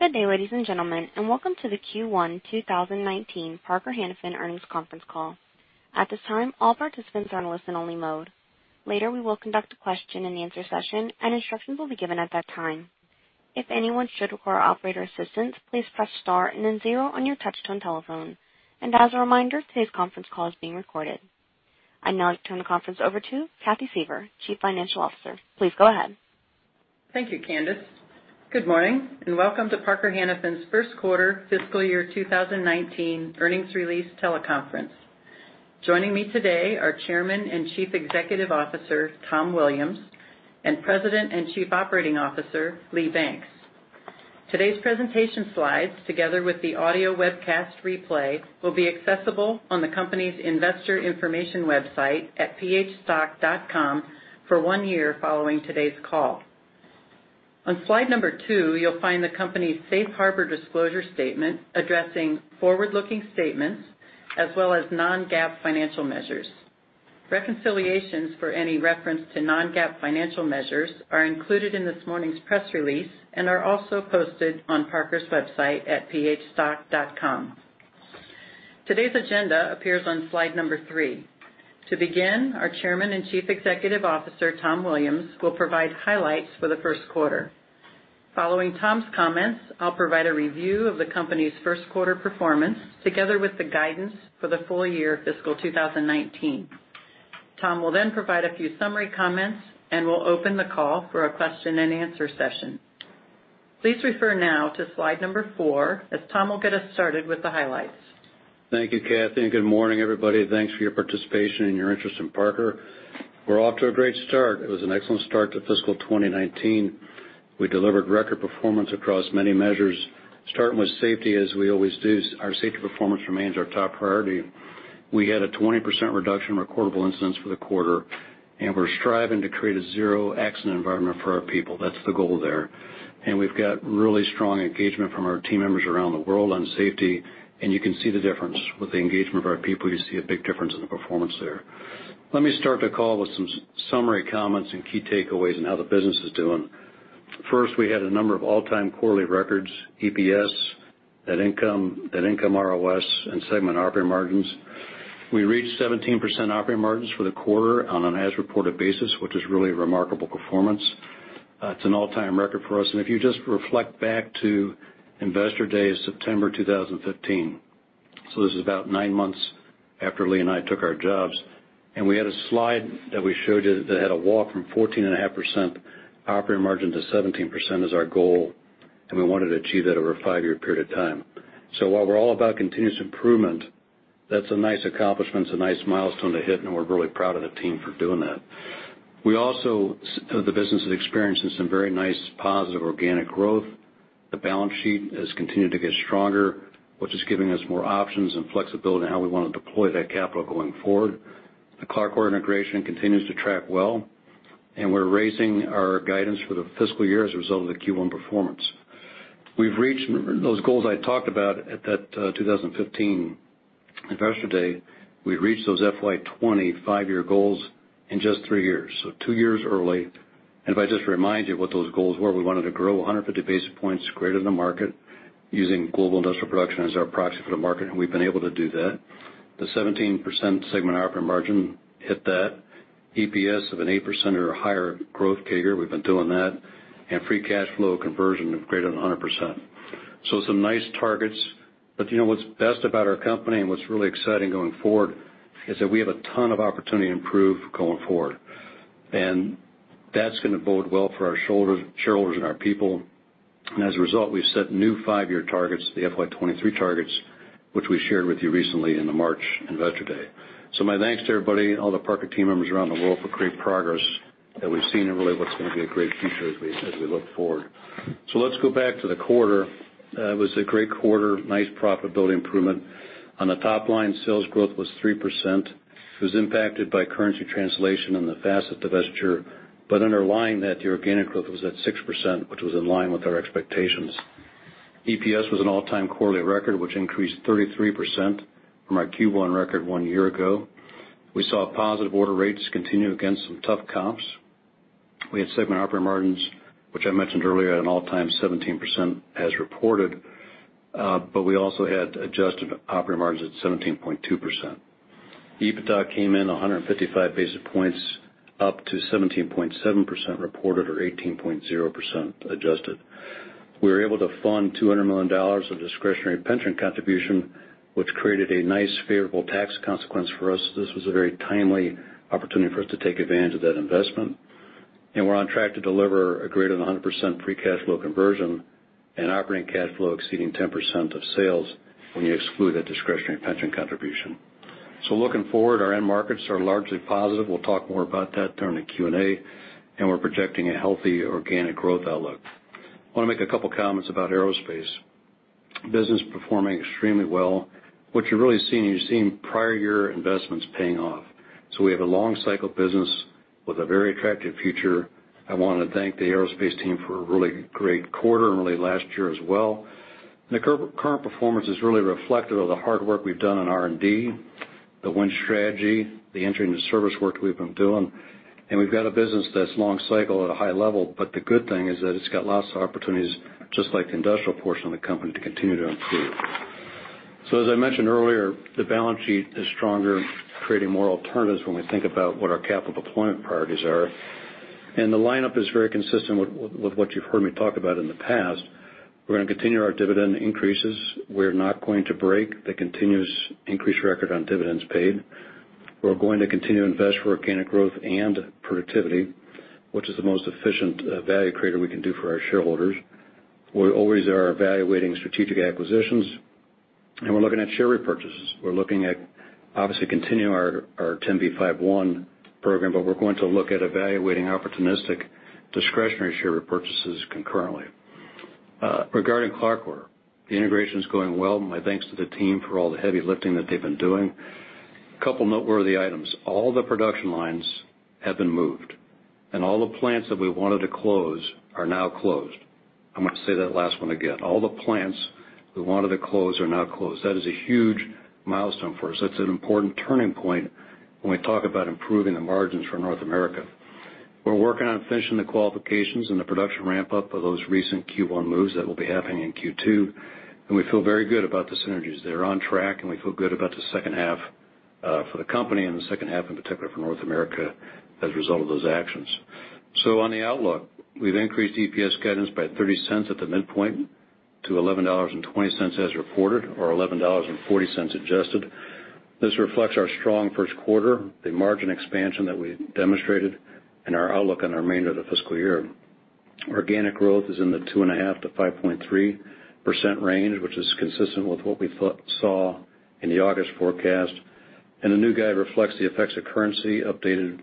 Good day, ladies and gentlemen, and welcome to the Q1 2019 Parker-Hannifin earnings conference call. At this time, all participants are in listen-only mode. Later, we will conduct a question and answer session, and instructions will be given at that time. If anyone should require operator assistance, please press star and then zero on your touch-tone telephone. As a reminder, today's conference call is being recorded. I'd now like to turn the conference over to Catherine Suever, Chief Financial Officer. Please go ahead. Thank you, Candice. Good morning, and welcome to Parker-Hannifin's first quarter fiscal year 2019 earnings release teleconference. Joining me today are Chairman and Chief Executive Officer, Tom Williams, and President and Chief Operating Officer, Lee Banks. Today's presentation slides, together with the audio webcast replay, will be accessible on the company's investor information website at phstock.com for one year following today's call. On slide number two, you'll find the company's safe harbor disclosure statement addressing forward-looking statements, as well as non-GAAP financial measures. Reconciliations for any reference to non-GAAP financial measures are included in this morning's press release and are also posted on Parker's website at phstock.com. Today's agenda appears on slide number three. To begin, our Chairman and Chief Executive Officer, Tom Williams, will provide highlights for the first quarter. Following Tom's comments, I'll provide a review of the company's first quarter performance, together with the guidance for the full year fiscal 2019. Tom will provide a few summary comments, and we'll open the call for a question and answer session. Please refer now to slide number four, as Tom will get us started with the highlights. Thank you, Kathy. Good morning, everybody. Thanks for your participation and your interest in Parker. We're off to a great start. It was an excellent start to fiscal 2019. We delivered record performance across many measures, starting with safety as we always do. Our safety performance remains our top priority. We had a 20% reduction in recordable incidents for the quarter, and we're striving to create a zero-accident environment for our people. That's the goal there. We've got really strong engagement from our team members around the world on safety, and you can see the difference. With the engagement of our people, you see a big difference in the performance there. Let me start the call with some summary comments and key takeaways on how the business is doing. First, we had a number of all-time quarterly records, EPS, net income, net income ROS, and segment operating margins. We reached 17% operating margins for the quarter on an as-reported basis, which is really a remarkable performance. It's an all-time record for us. If you just reflect back to Investor Day, September 2015, this is about nine months after Lee and I took our jobs, and we had a slide that we showed you that had a walk from 14 and a half percent operating margin to 17% as our goal, and we wanted to achieve that over a five-year period of time. While we're all about continuous improvement, that's a nice accomplishment. It's a nice milestone to hit, and we're really proud of the team for doing that. The business has experienced some very nice positive organic growth. The balance sheet has continued to get stronger, which is giving us more options and flexibility in how we want to deploy that capital going forward. The CLARCOR order integration continues to track well, We're raising our guidance for the fiscal year as a result of the Q1 performance. We've reached those goals I talked about at that 2015 Investor Day. We've reached those FY 2020 five-year goals in just three years, so two years early. If I just remind you what those goals were, we wanted to grow 150 basis points greater than the market, using global industrial production as our proxy for the market, and we've been able to do that. The 17% segment operating margin, hit that. EPS of an 8% or higher growth CAGR, we've been doing that. Free cash flow conversion of greater than 100%. Some nice targets. You know what's best about our company and what's really exciting going forward is that we have a ton of opportunity to improve going forward. That's going to bode well for our shareholders and our people. As a result, we've set new five-year targets, the FY 2023 targets, which we shared with you recently in the March Investor Day. My thanks to everybody, all the Parker team members around the world for great progress that we've seen and really what's going to be a great future as we look forward. Let's go back to the quarter. It was a great quarter, nice profitability improvement. On the top line, sales growth was 3%. It was impacted by currency translation and the Facet divestiture, but underlying that, the organic growth was at 6%, which was in line with our expectations. EPS was an all-time quarterly record, which increased 33% from our Q1 record one year ago. We saw positive order rates continue against some tough comps. We had segment operating margins, which I mentioned earlier, at an all-time 17% as reported. We also had adjusted operating margins at 17.2%. EBITDA came in 155 basis points up to 17.7% reported or 18.0% adjusted. We were able to fund $200 million of discretionary pension contribution, which created a nice favorable tax consequence for us. This was a very timely opportunity for us to take advantage of that investment. We're on track to deliver a greater than 100% free cash flow conversion and operating cash flow exceeding 10% of sales when you exclude that discretionary pension contribution. Looking forward, our end markets are largely positive. We'll talk more about that during the Q&A, we're projecting a healthy organic growth outlook. I want to make a couple comments about Aerospace. Business performing extremely well. What you're really seeing, you're seeing prior year investments paying off. We have a long cycle business with a very attractive future. I want to thank the Aerospace team for a really great quarter and really last year as well. The current performance is really reflective of the hard work we've done in R&D, the Win Strategy, the entering the service work we've been doing, we've got a business that's long cycle at a high level, the good thing is that it's got lots of opportunities, just like the industrial portion of the company, to continue to improve. As I mentioned earlier, the balance sheet is stronger, creating more alternatives when we think about what our capital deployment priorities are. The lineup is very consistent with what you've heard me talk about in the past. We're going to continue our dividend increases. We're not going to break the continuous increase record on dividends paid. We're going to continue to invest for organic growth and productivity, which is the most efficient value creator we can do for our shareholders. We always are evaluating strategic acquisitions, we're looking at share repurchases. We're looking at obviously continuing our 10B5-1 program, we're going to look at evaluating opportunistic discretionary share repurchases concurrently. Regarding CLARCOR, the integration is going well. My thanks to the team for all the heavy lifting that they've been doing. A couple noteworthy items. All the production lines have been moved, all the plants that we wanted to close are now closed. I'm going to say that last one again. All the plants we wanted to close are now closed. That is a huge milestone for us. That's an important turning point when we talk about improving the margins for North America. We're working on finishing the qualifications and the production ramp-up of those recent Q1 moves that will be happening in Q2, we feel very good about the synergies. They're on track, we feel good about the second half for the company and the second half, in particular, for North America as a result of those actions. On the outlook, we've increased EPS guidance by $0.30 at the midpoint to $11.20 as reported or $11.40 adjusted. This reflects our strong first quarter, the margin expansion that we demonstrated, our outlook on our remainder of the fiscal year. Organic growth is in the two and a half% to 5.3% range, which is consistent with what we saw in the August forecast. The new guide reflects the effects of currency updated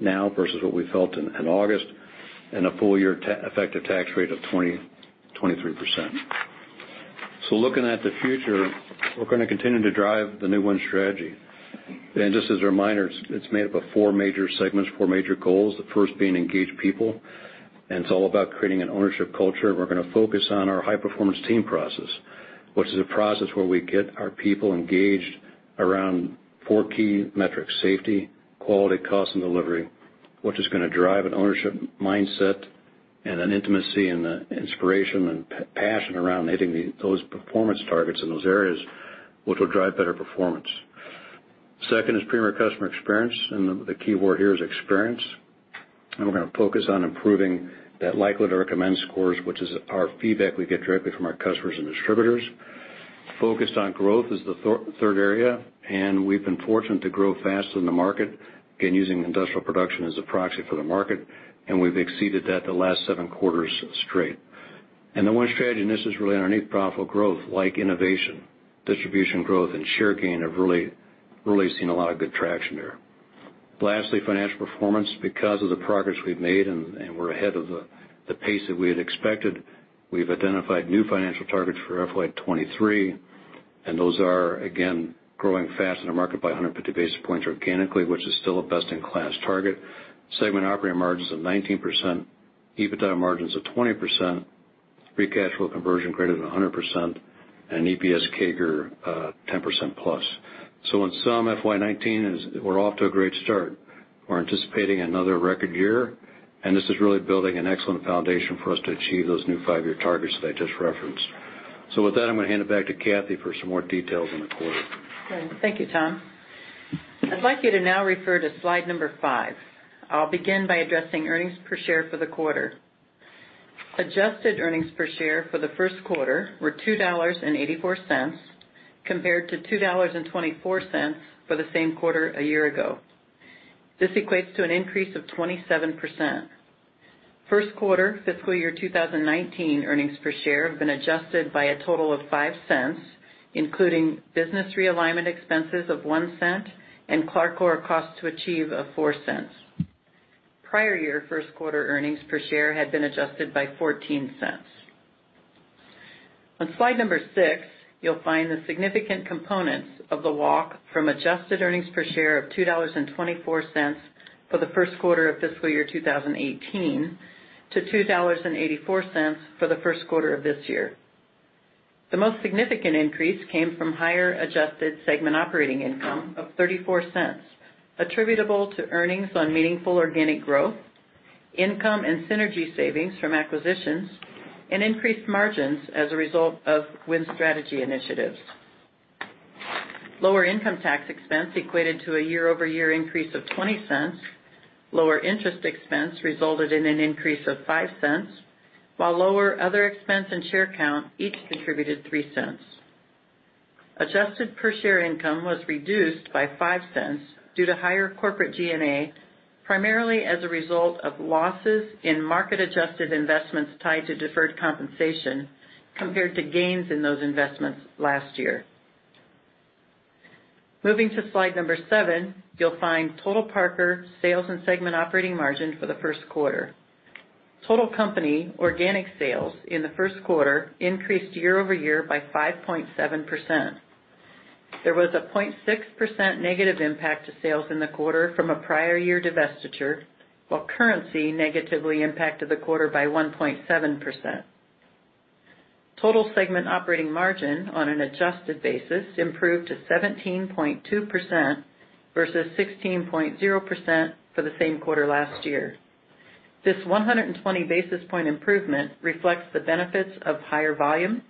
now versus what we felt in August and a full-year effective tax rate of 23%. Looking at the future, we're going to continue to drive the new Win Strategy. Just as a reminder, it's made up of four major segments, four major goals, the first being Engage People. It's all about creating an ownership culture, and we're going to focus on our high-performance team process, which is a process where we get our people engaged around four key metrics, safety, quality, cost, and delivery, which is going to drive an ownership mindset and an intimacy and inspiration and passion around hitting those performance targets in those areas, which will drive better performance. Second is premier customer experience, and the key word here is experience. We're going to focus on improving that likelihood to recommend scores, which is our feedback we get directly from our customers and distributors. Focused on growth is the third area, and we've been fortunate to grow faster than the market, again, using industrial production as a proxy for the market, and we've exceeded that the last seven quarters straight. The Win Strategy, and this is really underneath profitable growth, like innovation, distribution growth, and share gain have really seen a lot of good traction there. Lastly, financial performance, because of the progress we've made and we're ahead of the pace that we had expected, we've identified new financial targets for FY 2023, and those are, again, growing faster than the market by 150 basis points organically, which is still a best-in-class target. Segment operating margins of 19%, EBITDA margins of 20%, free cash flow conversion greater than 100%, and EPS CAGR 10%+. In sum, FY 2019 is we're off to a great start. We're anticipating another record year, and this is really building an excellent foundation for us to achieve those new five-year targets that I just referenced. With that, I'm going to hand it back to Kathy for some more details on the quarter. Thank you, Tom. I'd like you to now refer to slide number five. I'll begin by addressing earnings per share for the quarter. Adjusted earnings per share for the first quarter were $2.84 compared to $2.24 for the same quarter a year ago. This equates to an increase of 27%. First quarter fiscal year 2019 earnings per share have been adjusted by a total of $0.05, including business realignment expenses of $0.01 and CLARCOR costs to achieve of $0.04. Prior year first quarter earnings per share had been adjusted by $0.14. On slide number six, you'll find the significant components of the walk from adjusted earnings per share of $2.24 for the first quarter of fiscal year 2018 to $2.84 for the first quarter of this year. The most significant increase came from higher adjusted segment operating income of $0.34 attributable to earnings on meaningful organic growth, income and synergy savings from acquisitions, and increased margins as a result of Win Strategy initiatives. Lower income tax expense equated to a year-over-year increase of $0.20, lower interest expense resulted in an increase of $0.05, while lower other expense and share count each contributed $0.03. Adjusted per share income was reduced by $0.05 due to higher corporate G&A, primarily as a result of losses in market-adjusted investments tied to deferred compensation compared to gains in those investments last year. Moving to slide number seven, you'll find total Parker sales and segment operating margin for the first quarter. Total company organic sales in the first quarter increased year-over-year by 5.7%. There was a 0.6% negative impact to sales in the quarter from a prior year divestiture, while currency negatively impacted the quarter by 1.7%. Total segment operating margin on an adjusted basis improved to 17.2% versus 16.0% for the same quarter last year. This 120 basis point improvement reflects the benefits of higher volume,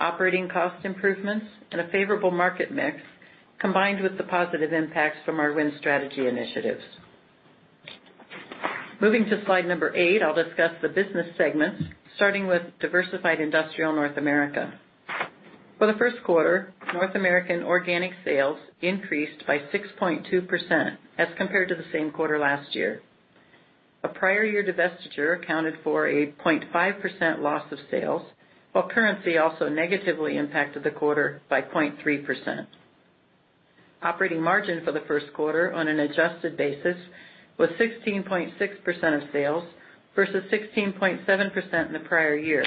operating cost improvements, and a favorable market mix, combined with the positive impacts from our Win Strategy initiatives. Moving to slide number eight, I'll discuss the business segments, starting with Diversified Industrial North America. For the first quarter, North American organic sales increased by 6.2% as compared to the same quarter last year. A prior year divestiture accounted for a 0.5% loss of sales, while currency also negatively impacted the quarter by 0.3%. Operating margin for the first quarter on an adjusted basis was 16.6% of sales versus 16.7% in the prior year.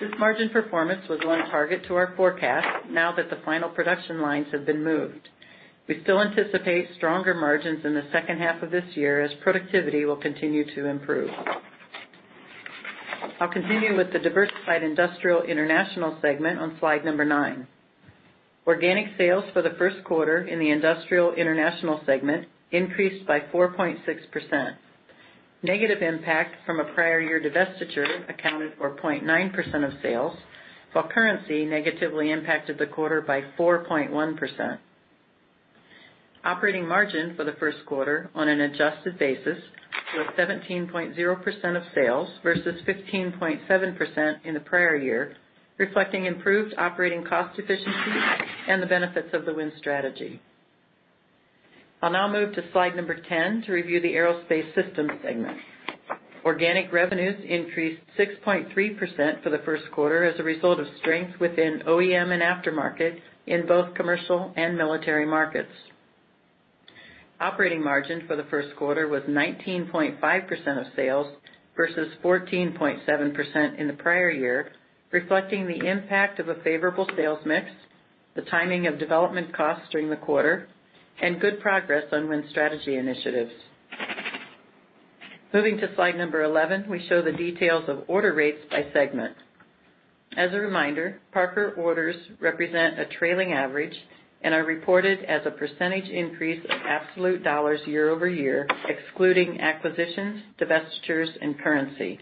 This margin performance was on target to our forecast now that the final production lines have been moved. We still anticipate stronger margins in the second half of this year, as productivity will continue to improve. I'll continue with the Diversified Industrial International segment on slide number nine. Organic sales for the first quarter in the Industrial International segment increased by 4.6%. Negative impact from a prior year divestiture accounted for 0.9% of sales, while currency negatively impacted the quarter by 4.1%. Operating margin for the first quarter on an adjusted basis was 17.0% of sales versus 15.7% in the prior year, reflecting improved operating cost efficiencies and the benefits of the Win Strategy. I'll now move to slide number 10 to review the Aerospace Systems segment. Organic revenues increased 6.3% for the first quarter as a result of strength within OEM and aftermarket in both commercial and military markets. Operating margin for the first quarter was 19.5% of sales versus 14.7% in the prior year, reflecting the impact of a favorable sales mix, the timing of development costs during the quarter, and good progress on Win Strategy initiatives. Moving to slide number 11, we show the details of order rates by segment. As a reminder, Parker orders represent a trailing average and are reported as a percentage increase of absolute dollars year-over-year, excluding acquisitions, divestitures, and currency.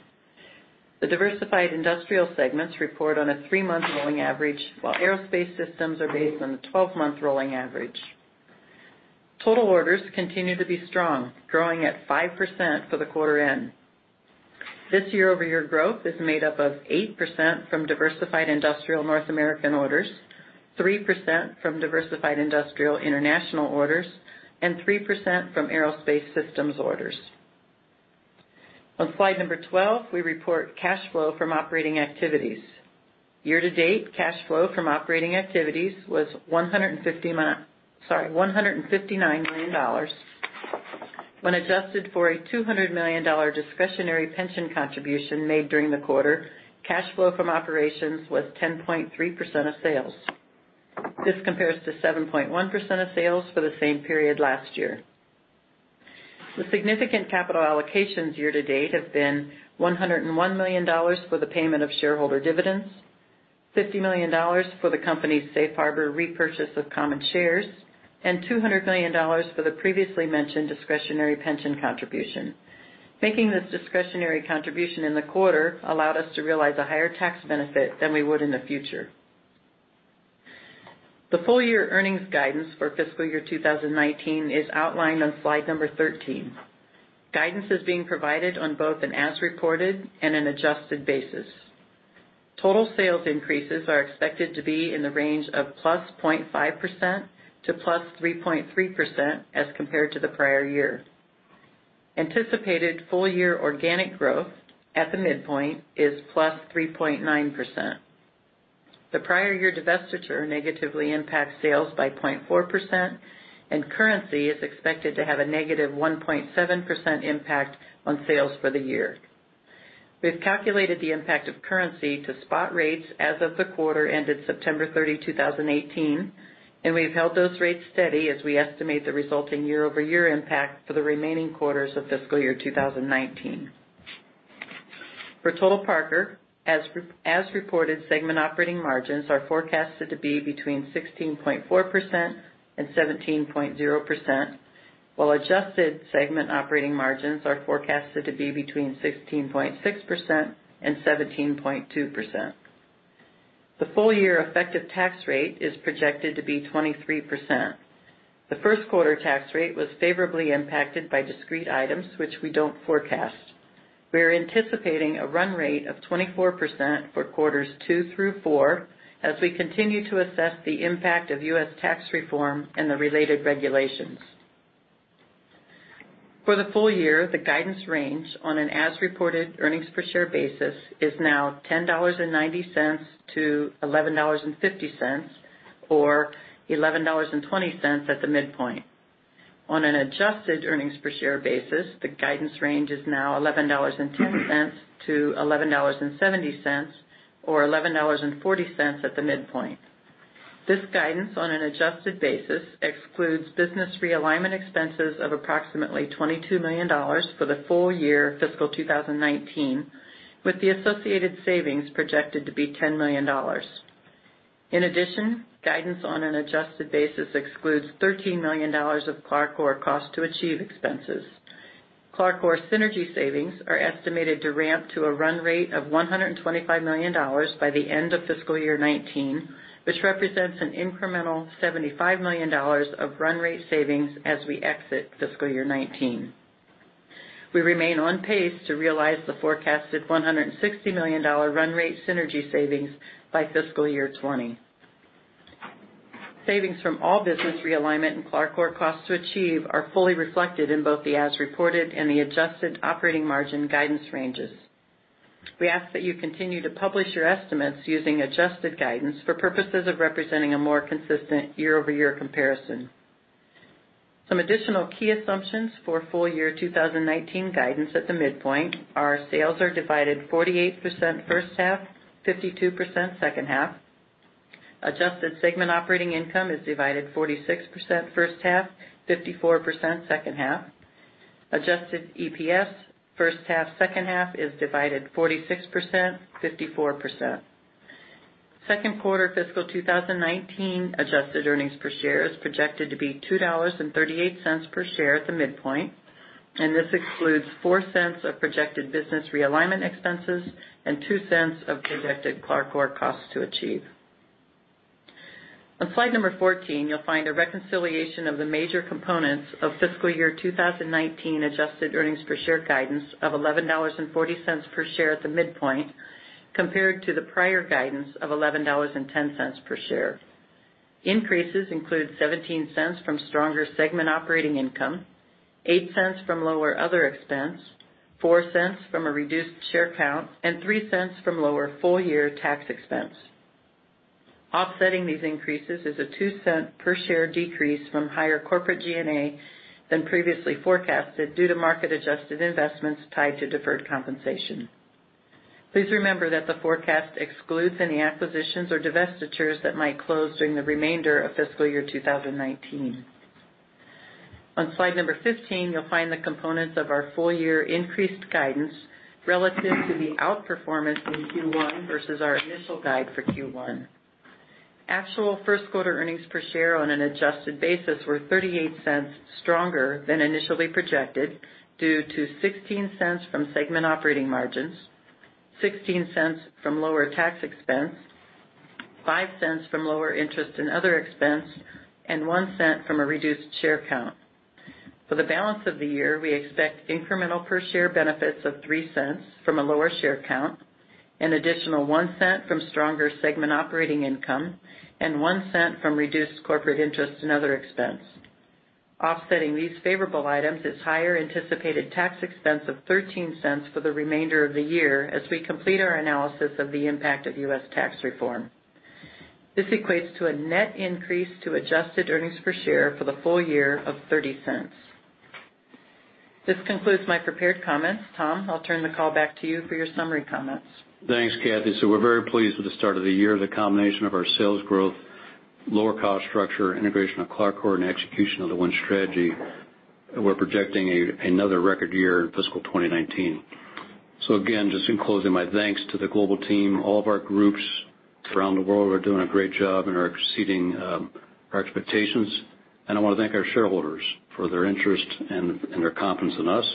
The Diversified Industrial segments report on a three-month rolling average, while Aerospace Systems are based on a 12-month rolling average. Total orders continue to be strong, growing at 5% for the quarter end. This year-over-year growth is made up of 8% from Diversified Industrial North American orders, 3% from Diversified Industrial International orders, and 3% from Aerospace Systems orders. On slide number 12, we report cash flow from operating activities. Year-to-date, cash flow from operating activities was $159 million. When adjusted for a $200 million discretionary pension contribution made during the quarter, cash flow from operations was 10.3% of sales. This compares to 7.1% of sales for the same period last year. The significant capital allocations year-to-date have been $101 million for the payment of shareholder dividends, $50 million for the company's safe harbor repurchase of common shares, and $200 million for the previously mentioned discretionary pension contribution. Making this discretionary contribution in the quarter allowed us to realize a higher tax benefit than we would in the future. The full year earnings guidance for fiscal year 2019 is outlined on slide number 13. Guidance is being provided on both an as-reported and an adjusted basis. Total sales increases are expected to be in the range of +0.5% to +3.3% as compared to the prior year. Anticipated full year organic growth at the midpoint is +3.9%. The prior year divestiture negatively impacts sales by 0.4%, and currency is expected to have a -1.7% impact on sales for the year. We've calculated the impact of currency to spot rates as of the quarter ended September 30, 2018, and we've held those rates steady as we estimate the resulting year-over-year impact for the remaining quarters of fiscal year 2019. For total Parker, as reported, segment operating margins are forecasted to be between 16.4% and 17.0%, while adjusted segment operating margins are forecasted to be between 16.6% and 17.2%. The full year effective tax rate is projected to be 23%. The first quarter tax rate was favorably impacted by discrete items, which we don't forecast. We are anticipating a run rate of 24% for quarters two through four as we continue to assess the impact of U.S. tax reform and the related regulations. For the full year, the guidance range on an as-reported earnings per share basis is now $10.90 to $11.50, or $11.20 at the midpoint. On an adjusted earnings per share basis, the guidance range is now $11.10 to $11.70, or $11.40 at the midpoint. This guidance on an adjusted basis excludes business realignment expenses of approximately $22 million for the full year fiscal 2019, with the associated savings projected to be $10 million. In addition, guidance on an adjusted basis excludes $13 million of CLARCOR core cost-to-achieve expenses. CLARCOR core synergy savings are estimated to ramp to a run rate of $125 million by the end of fiscal year 2019, which represents an incremental $75 million of run rate savings as we exit fiscal year 2019. We remain on pace to realize the forecasted $160 million run rate synergy savings by fiscal year 2020. Savings from all business realignment and CLARCOR core costs to achieve are fully reflected in both the as-reported and the adjusted operating margin guidance ranges. We ask that you continue to publish your estimates using adjusted guidance for purposes of representing a more consistent year-over-year comparison. Some additional key assumptions for full year 2019 guidance at the midpoint are sales are divided 48% first half, 52% second half. Adjusted segment operating income is divided 46% first half, 54% second half. Adjusted EPS first half, second half is divided 46%, 54%. Second quarter fiscal 2019 adjusted earnings per share is projected to be $2.38 per share at the midpoint, and this excludes $0.04 of projected business realignment expenses and $0.02 of projected CLARCOR core cost to achieve. On slide number 14, you'll find a reconciliation of the major components of fiscal year 2019 adjusted earnings per share guidance of $11.40 per share at the midpoint compared to the prior guidance of $11.10 per share. Increases include $0.17 from stronger segment operating income, $0.08 from lower other expense, $0.04 from a reduced share count, and $0.03 from lower full-year tax expense. Offsetting these increases is a $0.02 per share decrease from higher corporate G&A than previously forecasted due to market-adjusted investments tied to deferred compensation. Please remember that the forecast excludes any acquisitions or divestitures that might close during the remainder of fiscal year 2019. On slide number 15, you'll find the components of our full-year increased guidance relative to the outperformance in Q1 versus our initial guide for Q1. Actual first quarter earnings per share on an adjusted basis were $0.38 stronger than initially projected due to $0.16 from segment operating margins, $0.16 from lower tax expense, $0.05 from lower interest and other expense, and $0.01 from a reduced share count. For the balance of the year, we expect incremental per share benefits of $0.03 from a lower share count, an additional $0.01 from stronger segment operating income, and $0.01 from reduced corporate interest and other expense. Offsetting these favorable items is higher anticipated tax expense of $0.13 for the remainder of the year as we complete our analysis of the impact of U.S. tax reform. This equates to a net increase to adjusted earnings per share for the full year of $0.30. This concludes my prepared comments. Tom, I'll turn the call back to you for your summary comments. Thanks, Kathy. We're very pleased with the start of the year. The combination of our sales growth, lower cost structure, integration of CLARCOR, and execution of the Win Strategy, we're projecting another record year in fiscal 2019. Again, just in closing, my thanks to the global team. All of our groups around the world are doing a great job and are exceeding our expectations. I want to thank our shareholders for their interest and their confidence in us.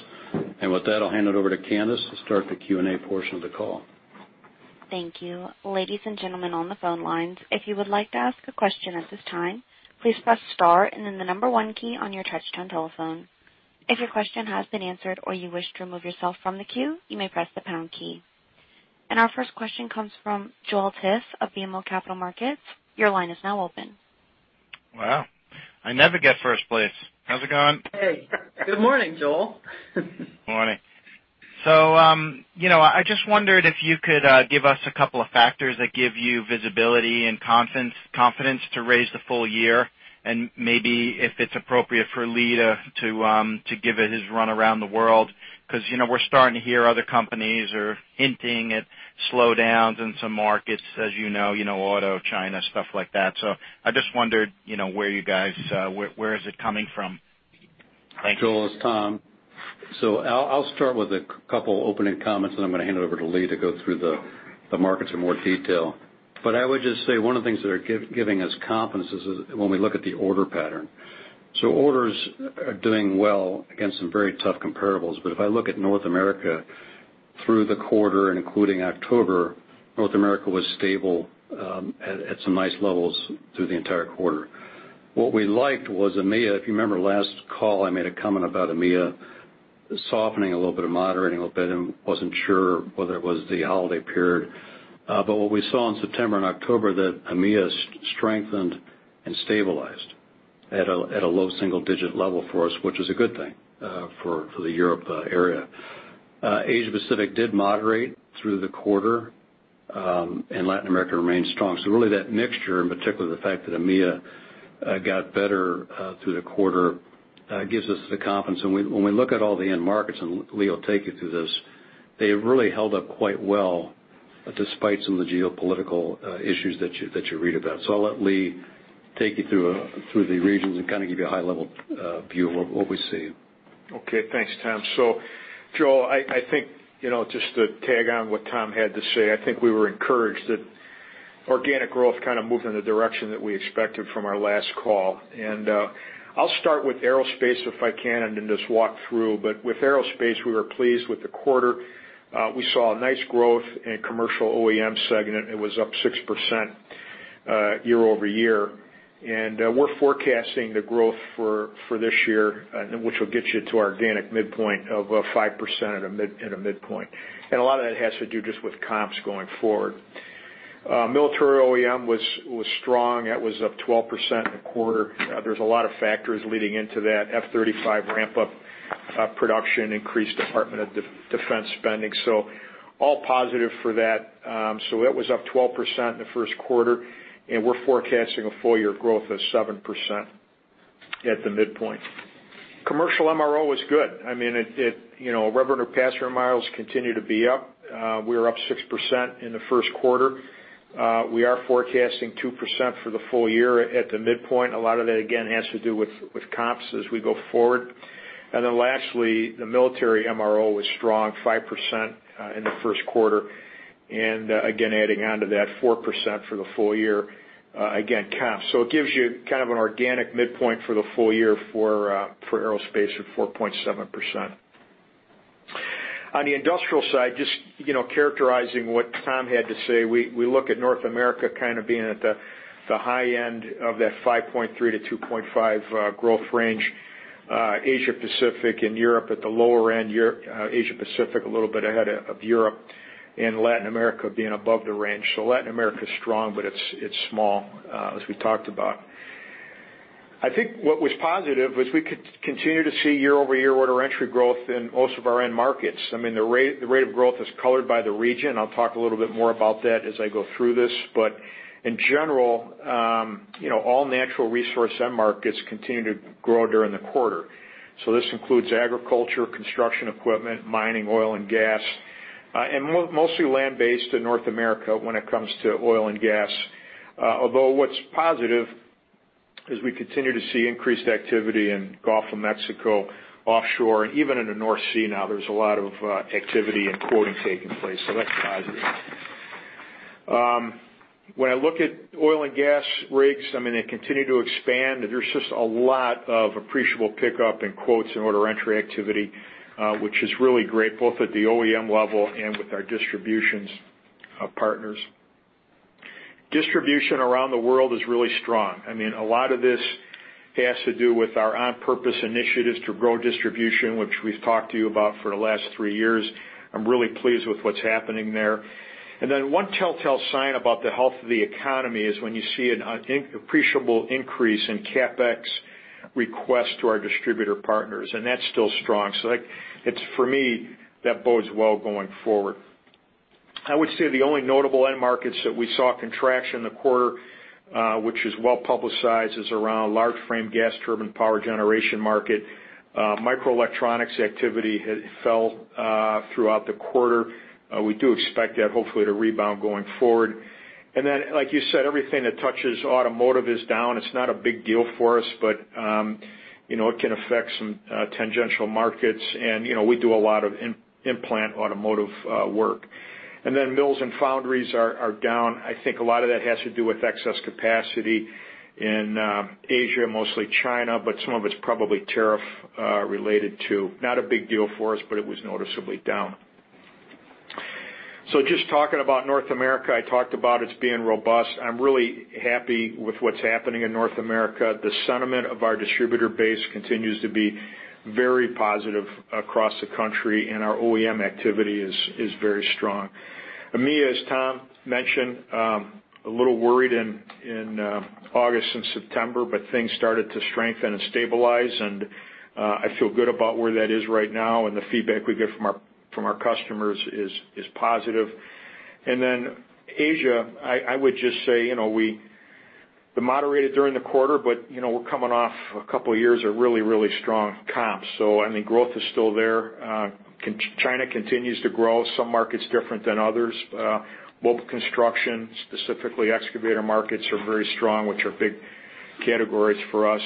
With that, I'll hand it over to Candice to start the Q&A portion of the call. Thank you. Ladies and gentlemen on the phone lines, if you would like to ask a question at this time, please press star and then the number one key on your touch-tone telephone. If your question has been answered or you wish to remove yourself from the queue, you may press the pound key. Our first question comes from Joel Tiss of BMO Capital Markets. Your line is now open. Wow. I never get first place. How's it going? Hey. Good morning, Joel. Morning. I just wondered if you could give us a couple of factors that give you visibility and confidence to raise the full year, and maybe if it's appropriate for Lee to give it his run around the world, because we're starting to hear other companies are hinting at slowdowns in some markets, as you know. Auto, China, stuff like that. I just wondered where you guys, where is it coming from? Thank you. Joel, it's Tom. I'll start with a couple opening comments, and I'm going to hand it over to Lee to go through the markets in more detail. I would just say one of the things that are giving us confidence is when we look at the order pattern. Orders are doing well against some very tough comparables. If I look at North America through the quarter and including October, North America was stable at some nice levels through the entire quarter. What we liked was EMEA. If you remember last call, I made a comment about EMEA softening a little bit or moderating a little bit and wasn't sure whether it was the holiday period. What we saw in September and October, that EMEA strengthened and stabilized at a low single-digit level for us, which is a good thing for the Europe area. Asia Pacific did moderate through the quarter, and Latin America remained strong. Really that mixture, in particular the fact that EMEA got better through the quarter, gives us the confidence. When we look at all the end markets, and Lee will take you through this, they really held up quite well, despite some of the geopolitical issues that you read about. I'll let Lee take you through the regions and kind of give you a high-level view of what we see. Okay. Thanks, Tom. Joel, I think, just to tag on what Tom had to say, I think we were encouraged that organic growth kind of moved in the direction that we expected from our last call. I'll start with Aerospace, if I can, and then just walk through. With Aerospace, we were pleased with the quarter. We saw a nice growth in commercial OEM segment. It was up 6% year-over-year. We're forecasting the growth for this year, which will get you to our organic midpoint of 5% at a midpoint. A lot of that has to do just with comps going forward. Military OEM was strong. That was up 12% in the quarter. There's a lot of factors leading into that. F-35 ramp-up production, increased Department of Defense spending. All positive for that. That was up 12% in the first quarter, and we're forecasting a full-year growth of 7% at the midpoint. Commercial MRO was good. I mean, revenue passenger miles continue to be up. We were up 6% in the first quarter. We are forecasting 2% for the full year at the midpoint. A lot of that, again, has to do with comps as we go forward. Lastly, the military MRO was strong 5% in the first quarter. Again, adding on to that 4% for the full year, again, comps. It gives you kind of an organic midpoint for the full year for Aerospace of 4.7%. On the industrial side, just characterizing what Tom had to say, we look at North America kind of being at the high end of that 5.3%-2.5% growth range. Asia Pacific and Europe at the lower end. Asia Pacific, a little bit ahead of Europe. Latin America being above the range. Latin America is strong, but it's small, as we talked about. I think what was positive was we could continue to see year-over-year order entry growth in most of our end markets. I mean, the rate of growth is colored by the region. I'll talk a little bit more about that as I go through this. In general, all natural resource end markets continue to grow during the quarter. This includes agriculture, construction equipment, mining, oil and gas, and mostly land-based in North America when it comes to oil and gas. Although what's positive is we continue to see increased activity in Gulf of Mexico, offshore, and even in the North Sea now. There's a lot of activity and quoting taking place, that's positive. When I look at oil and gas rigs, I mean, they continue to expand. There's just a lot of appreciable pickup in quotes and order entry activity, which is really great, both at the OEM level and with our distribution partners. Distribution around the world is really strong. I mean, a lot of this has to do with our on-purpose initiatives to grow distribution, which we've talked to you about for the last three years. I'm really pleased with what's happening there. One telltale sign about the health of the economy is when you see an appreciable increase in CapEx requests to our distributor partners, and that's still strong. Like, for me, that bodes well going forward. I would say the only notable end markets that we saw contraction in the quarter, which is well-publicized, is around large frame gas turbine power generation market. Microelectronics activity fell throughout the quarter. We do expect that hopefully to rebound going forward. Like you said, everything that touches automotive is down. It's not a big deal for us, but it can affect some tangential markets, and we do a lot of implant automotive work. Mills and foundries are down. I think a lot of that has to do with excess capacity in Asia, mostly China, but some of it's probably tariff-related too. Not a big deal for us, but it was noticeably down. Just talking about North America, I talked about it being robust. I'm really happy with what's happening in North America. The sentiment of our distributor base continues to be very positive across the country, and our OEM activity is very strong. EMEA, as Tom mentioned, a little worried in August and September, but things started to strengthen and stabilize, and I feel good about where that is right now, and the feedback we get from our customers is positive. Asia, I would just say, moderated during the quarter, but we're coming off a couple of years of really, really strong comps. I think growth is still there. China continues to grow, some markets different than others. Mobile construction, specifically excavator markets, are very strong, which are big categories for us.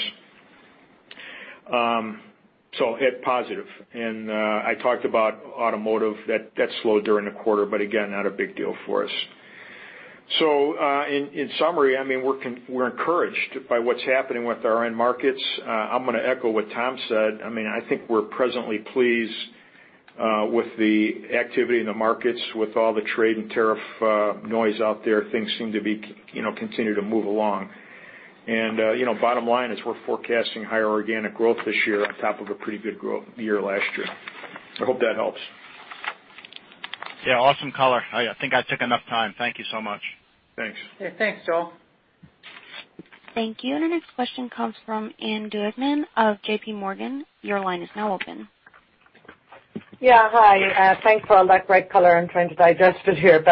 Positive. I talked about automotive, that slowed during the quarter, but again, not a big deal for us. In summary, we're encouraged by what's happening with our end markets. I'm going to echo what Tom said. I think we're presently pleased with the activity in the markets with all the trade and tariff noise out there. Things seem to continue to move along. Bottom line is we're forecasting higher organic growth this year on top of a pretty good growth year last year. Hope that helps. Yeah, awesome color. I think I took enough time. Thank you so much. Thanks. Yeah, thanks, Joel. Thank you. Our next question comes from Ann Duignan of JPMorgan. Your line is now open. Yeah. Hi. Thanks for all that great color. I'm trying to digest it here.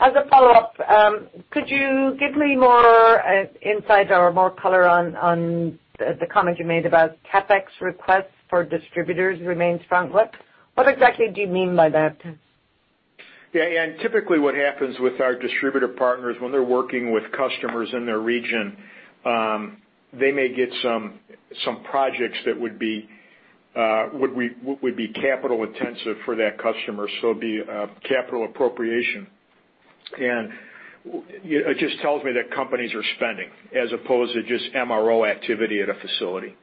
As a follow-up, could you give me more insight or more color on the comment you made about CapEx requests for distributors remains strong? What exactly do you mean by that? Typically what happens with our distributor partners when they're working with customers in their region, they may get some projects that would be capital-intensive for that customer. So it'd be a capital appropriation. It just tells me that companies are spending as opposed to just MRO activity at a facility.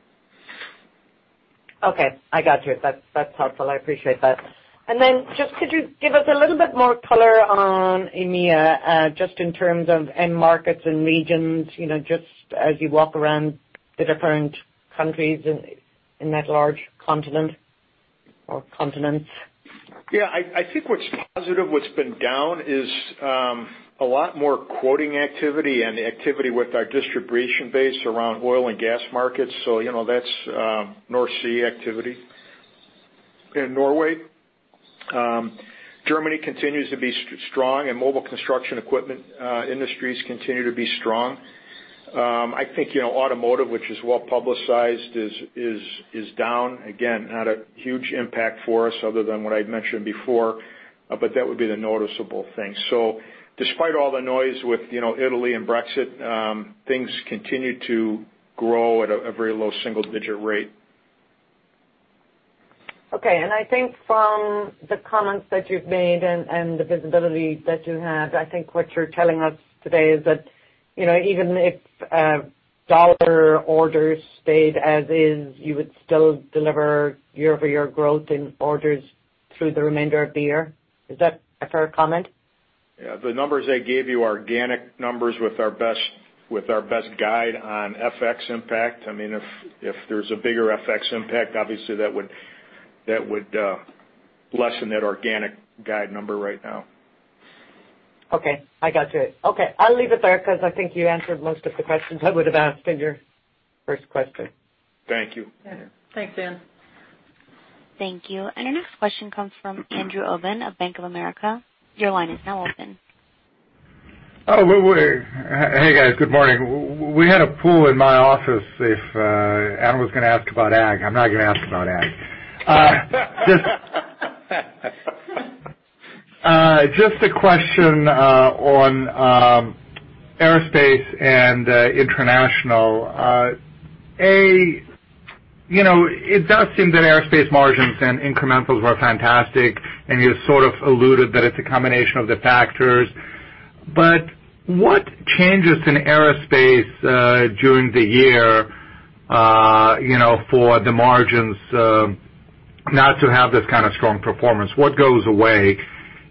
Okay. I got you. That's helpful. I appreciate that. Could you give us a little bit more color on EMEA, just in terms of end markets and regions, just as you walk around the different countries in that large continent or continents? I think what's positive, what's been down is a lot more quoting activity and activity with our distribution base around oil and gas markets. That's North Sea activity in Norway. Germany continues to be strong and mobile construction equipment industries continue to be strong. I think, automotive, which is well-publicized, is down. Again, not a huge impact for us other than what I'd mentioned before, but that would be the noticeable thing. Despite all the noise with Italy and Brexit, things continue to grow at a very low single-digit rate. Okay. I think from the comments that you've made and the visibility that you have, I think what you're telling us today is that, even if dollar orders stayed as is, you would still deliver year-over-year growth in orders through the remainder of the year. Is that a fair comment? Yeah. The numbers I gave you are organic numbers with our best guide on FX impact. If there's a bigger FX impact, obviously that would lessen that organic guide number right now. Okay. I got you. Okay. I'll leave it there because I think you answered most of the questions I would have asked in your first question. Thank you. Yeah. Thanks, Ann. Thank you. Your next question comes from Andrew Obin of Bank of America. Your line is now open. Oh, wait. Hey, guys. Good morning. We had a pool in my office if Ann was going to ask about ag. I'm not going to ask about ag. Just a question on aerospace and international. A, it does seem that aerospace margins and incrementals were fantastic, and you sort of alluded that it's a combination of the factors. What changes in aerospace during the year, for the margins not to have this kind of strong performance? What goes away?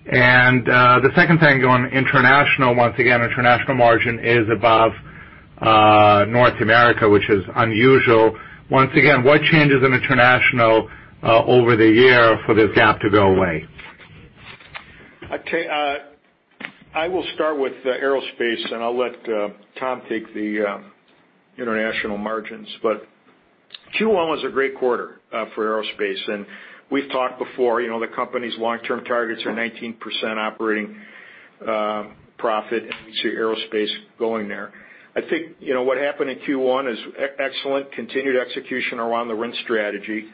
The second thing on international, once again, international margin is above North America, which is unusual. Once again, what changes in international over the year for this gap to go away? Okay. I will start with aerospace, and I'll let Tom take the international margins. Q1 was a great quarter for aerospace. We've talked before, the company's long-term targets are 19% operating profit, and we see aerospace going there. I think, what happened in Q1 is excellent continued execution around the Win Strategy.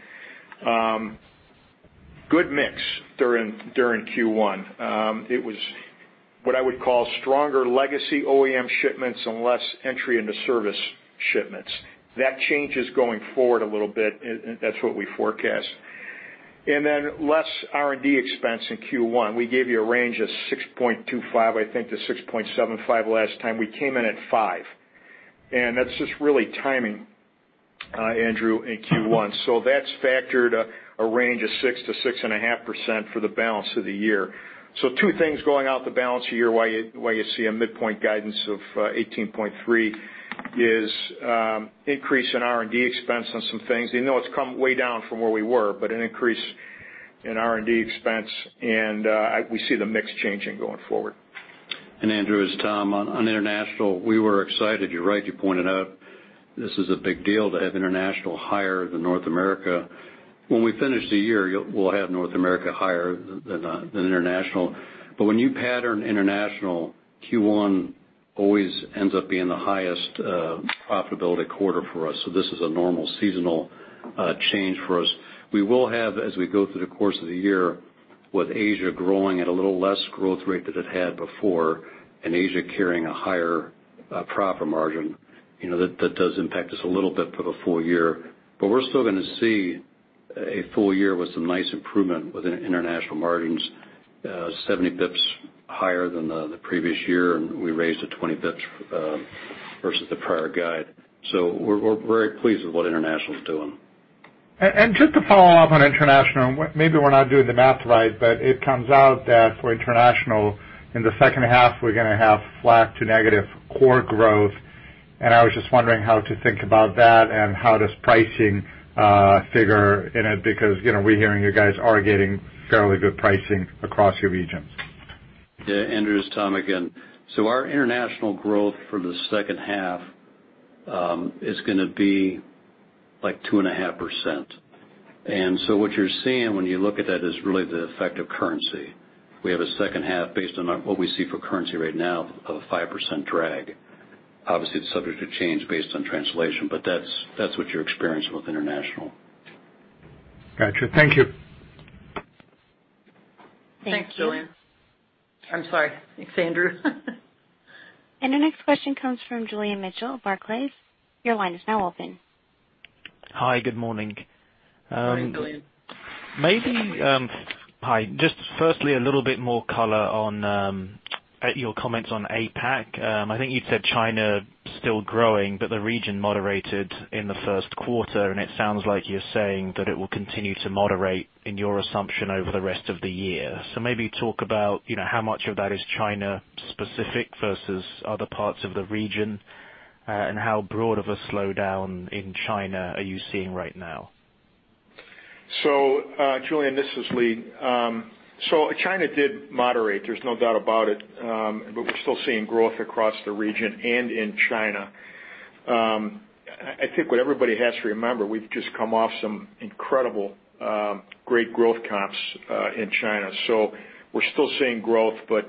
Good mix during Q1. It was what I would call stronger legacy OEM shipments and less entry into service shipments. That change is going forward a little bit, and that's what we forecast. Less R&D expense in Q1. We gave you a range of 6.25%-6.75%, I think, last time. We came in at five. That's just really timing, Andrew, in Q1. That's factored a range of 6%-6.5% for the balance of the year. Two things going out the balance of the year, why you see a midpoint guidance of 18.3% is increase in R&D expense on some things. Even though it's come way down from where we were, but an increase in R&D expense, and we see the mix changing going forward. Andrew, it's Tom. On international, we were excited. You're right. You pointed out this is a big deal to have international higher than North America. When we finish the year, we'll have North America higher than international. When you pattern international, Q1 always ends up being the highest profitability quarter for us. This is a normal seasonal change for us. We will have, as we go through the course of the year, with Asia growing at a little less growth rate than it had before, and Asia carrying a higher profit margin. That does impact us a little bit for the full year. We're still going to see a full year with some nice improvement within international margins, 70 basis points higher than the previous year, and we raised it 20 basis points versus the prior guide. We're very pleased with what international's doing. Just to follow up on international, maybe we're not doing the math right, it comes out that for international in the second half, we're going to have flat to negative core growth, I was just wondering how to think about that and how does pricing figure in it, because we're hearing you guys are getting fairly good pricing across your regions. Andrew, it's Tom again. Our international growth for the second half, is going to be like 2.5%. What you're seeing when you look at that is really the effect of currency. We have a second half based on what we see for currency right now of a 5% drag. Obviously, it's subject to change based on translation, but that's what you're experiencing with international. Got you. Thank you. Thanks, Julian. I'm sorry, it's Andrew. The next question comes from Julian Mitchell of Barclays. Your line is now open. Hi, good morning. Morning, Julian. Hi. Just firstly, a little bit more color on your comments on APAC. I think you said China still growing, but the region moderated in the first quarter, and it sounds like you're saying that it will continue to moderate in your assumption over the rest of the year. Maybe talk about how much of that is China-specific versus other parts of the region, and how broad of a slowdown in China are you seeing right now? Julian, this is Lee. China did moderate, there's no doubt about it. We're still seeing growth across the region and in China. I think what everybody has to remember, we've just come off some incredible, great growth comps, in China. We're still seeing growth, but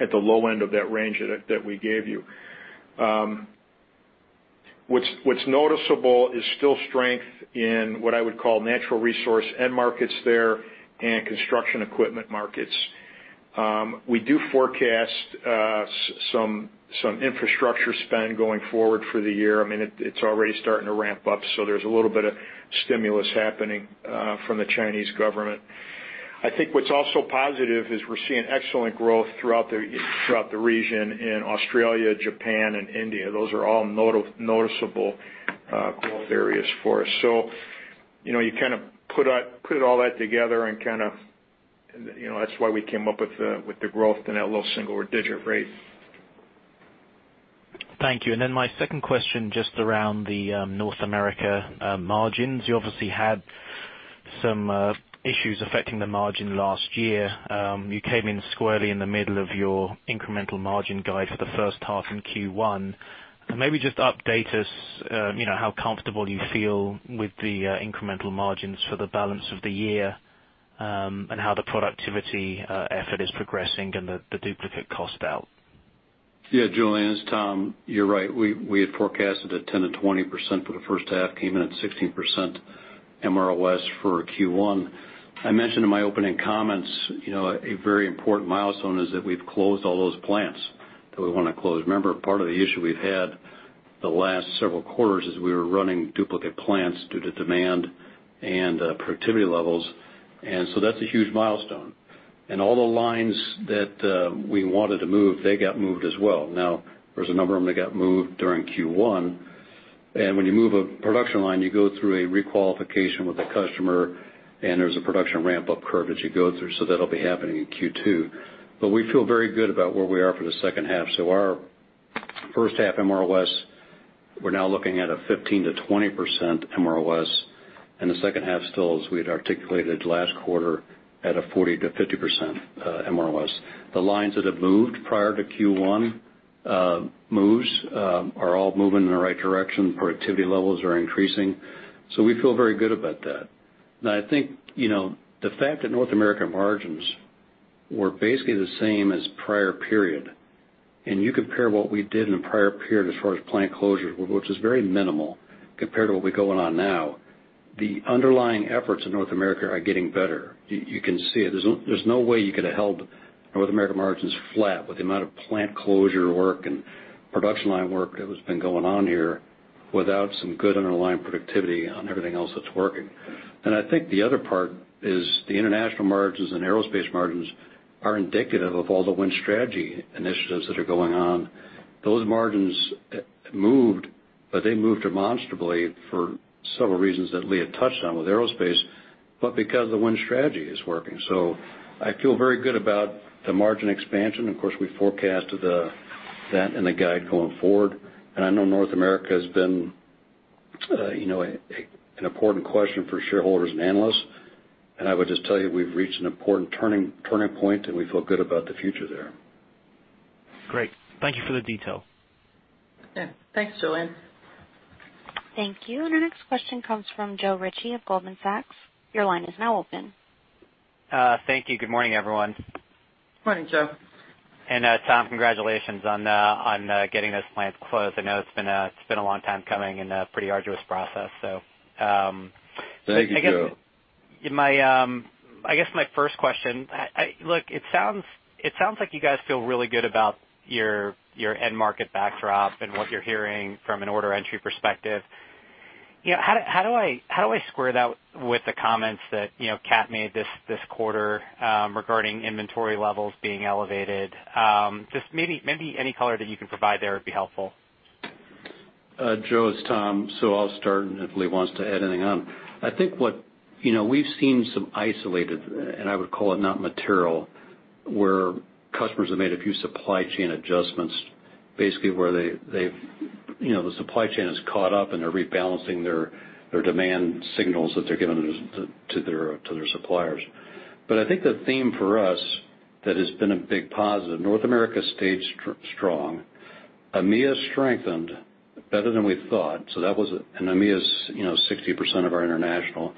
at the low end of that range that we gave you. What's noticeable is still strength in what I would call natural resource end markets there and construction equipment markets. We do forecast some infrastructure spend going forward for the year. It's already starting to ramp up, there's a little bit of stimulus happening from the Chinese government. I think what's also positive is we're seeing excellent growth throughout the region in Australia, Japan and India. Those are all noticeable growth areas for us. You kind of put all that together and that's why we came up with the growth in that low single-digit rate. Thank you. Then my second question, just around the North America margins. You obviously had some issues affecting the margin last year. You came in squarely in the middle of your incremental margin guide for the first half in Q1. Maybe just update us, how comfortable you feel with the incremental margins for the balance of the year, and how the productivity effort is progressing and the duplicate cost out. Yeah, Julian, it's Tom. You're right. We had forecasted a 10%-20% for the first half, came in at 16% MROS for Q1. I mentioned in my opening comments, a very important milestone is that we've closed all those plants that we want to close. Remember, part of the issue we've had the last several quarters is we were running duplicate plants due to demand and productivity levels. That's a huge milestone. All the lines that we wanted to move, they got moved as well. Now, there's a number of them that got moved during Q1. When you move a production line, you go through a requalification with the customer, and there's a production ramp-up curve that you go through. That'll be happening in Q2. We feel very good about where we are for the second half. Our first half MROS, we're now looking at a 15%-20% MROS, and the second half still, as we had articulated last quarter, at a 40%-50% MROS. The lines that have moved prior to Q1 moves are all moving in the right direction. Productivity levels are increasing. We feel very good about that. Now, I think, the fact that North American margins were basically the same as prior period, and you compare what we did in the prior period as far as plant closures, which is very minimal compared to what we going on now, the underlying efforts in North America are getting better. You can see it. There's no way you could have held North America margins flat with the amount of plant closure work and production line work that has been going on here without some good underlying productivity on everything else that's working. I think the other part is the international margins and Aerospace margins are indicative of all the Win Strategy initiatives that are going on. Those margins moved, but they moved demonstrably for several reasons that Lee had touched on with Aerospace, but because the Win Strategy is working. I feel very good about the margin expansion. Of course, we forecasted that in the guide going forward. I know North America has been an important question for shareholders and analysts, and I would just tell you, we've reached an important turning point, and we feel good about the future there. Great. Thank you for the detail. Yeah. Thanks, Julian. Thank you. Our next question comes from Joe Ritchie of Goldman Sachs. Your line is now open. Thank you. Good morning, everyone. Morning, Joe. Tom, congratulations on getting those plants closed. I know it's been a long time coming and a pretty arduous process. Thank you, Joe. I guess my first question, look, it sounds like you guys feel really good about your end market backdrop and what you're hearing from an order entry perspective. How do I square that with the comments that Caterpillar made this quarter, regarding inventory levels being elevated? Just maybe any color that you can provide there would be helpful. Joe, it's Tom. I'll start, and if Lee wants to add anything on. I think we've seen some isolated, and I would call it not material, where customers have made a few supply chain adjustments. Basically where they, the supply chain has caught up and they're rebalancing their demand signals that they're giving to their suppliers. I think the theme for us that has been a big positive, North America stayed strong. EMEA strengthened better than we thought. EMEA is 60% of our international.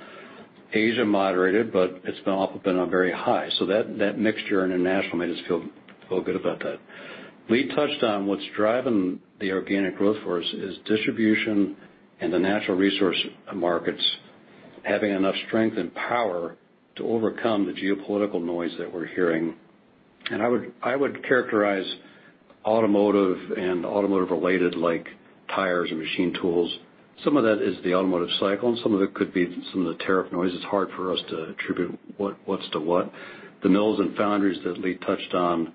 Asia moderated, but it's been off, been on very high. That mixture in international made us feel good about that. Lee touched on what's driving the organic growth for us is distribution and the natural resource markets having enough strength and power to overcome the geopolitical noise that we're hearing. I would characterize automotive and automotive-related like tires or machine tools. Some of that is the automotive cycle, and some of it could be some of the tariff noise. It's hard for us to attribute what's to what. The mills and foundries that Lee touched on,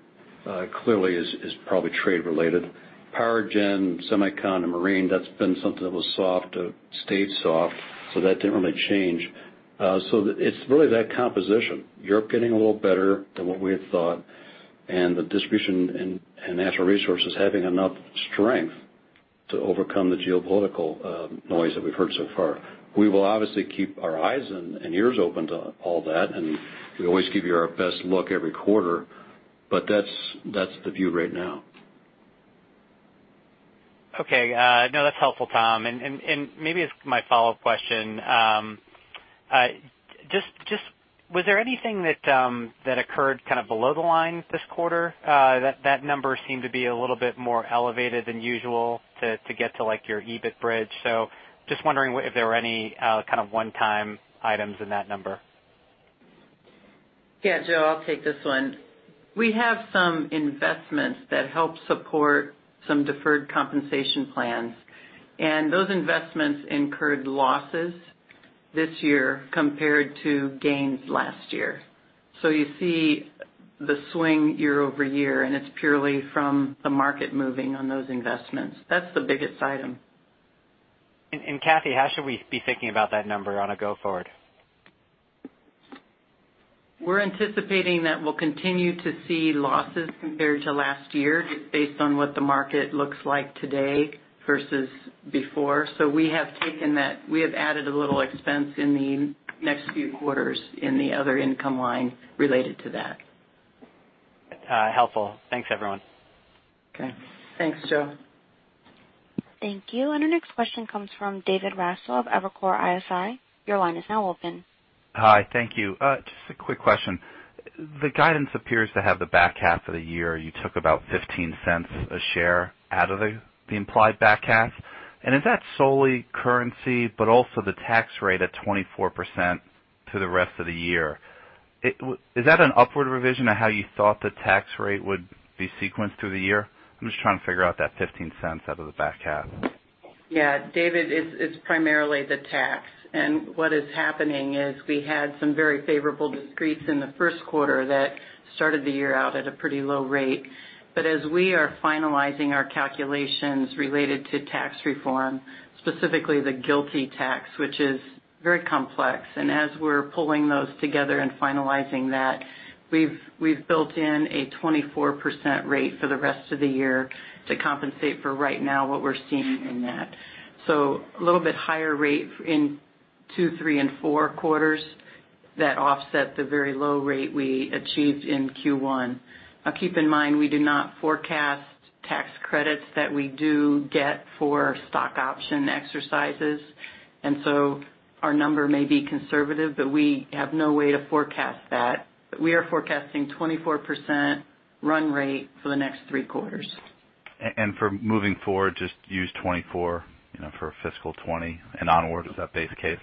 clearly is probably trade-related. Power gen, semicon, and marine, that's been something that was soft, stayed soft. That didn't really change. It's really that composition. Europe getting a little better than what we had thought, and the distribution and natural resources having enough strength to overcome the geopolitical noise that we've heard so far. We will obviously keep our eyes and ears open to all that, and we always give you our best look every quarter. That's the view right now. Okay. No, that's helpful, Tom. Maybe it's my follow-up question. Was there anything that occurred below the line this quarter? That number seemed to be a little bit more elevated than usual to get to your EBIT bridge. Just wondering if there were any kind of one-time items in that number. Joe, I'll take this one. We have some investments that help support some deferred compensation plans, and those investments incurred losses this year compared to gains last year. You see the swing year-over-year, and it's purely from the market moving on those investments. That's the biggest item. Kathy, how should we be thinking about that number on a go forward? We're anticipating that we'll continue to see losses compared to last year just based on what the market looks like today versus before. We have taken that. We have added a little expense in the next few quarters in the other income line related to that. Helpful. Thanks, everyone. Okay. Thanks, Joe. Thank you. Our next question comes from David Raso of Evercore ISI. Your line is now open. Hi, thank you. Just a quick question. The guidance appears to have the back half of the year. You took about $0.15 a share out of the implied back half. Is that solely currency but also the tax rate at 24% to the rest of the year? Is that an upward revision of how you thought the tax rate would be sequenced through the year? I'm just trying to figure out that $0.15 out of the back half. Yeah, David, it's primarily the tax. What is happening is we had some very favorable discretes in the first quarter that started the year out at a pretty low rate. As we are finalizing our calculations related to U.S. tax reform, specifically the GILTI tax, which is very complex, as we're pulling those together and finalizing that, we've built in a 24% rate for the rest of the year to compensate for right now what we're seeing in that. A little bit higher rate in two, three, and four quarters that offset the very low rate we achieved in Q1. Now keep in mind, we do not forecast tax credits that we do get for stock option exercises, our number may be conservative, but we have no way to forecast that. We are forecasting 24% run rate for the next three quarters. For moving forward, just use 24% for fiscal 2020 and onwards. Is that base case?